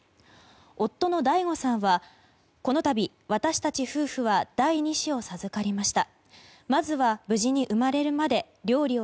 夫のＤＡＩＧＯさんはこのたび私たち夫婦は第２子を授かりました。